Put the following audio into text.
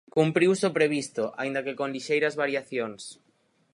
Cumpriuse o previsto, aínda que con lixeiras variacións.